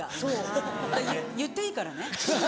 だから言っていいからね。